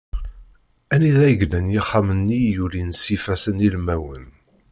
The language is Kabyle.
Anida i llan yixxamen-nni i yulin s yifasssen ilmawen.